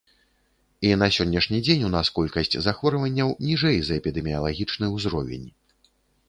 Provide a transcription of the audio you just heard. І на сённяшні дзень у нас колькасць захворванняў ніжэй за эпідэміялагічны ўзровень.